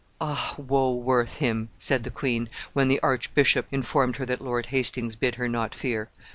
"Ah, woe worth him!" said the queen, when the archbishop informed her that Lord Hastings bid her not fear.